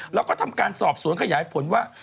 แล้วก็ทำการสอบสวนขยายผลว่า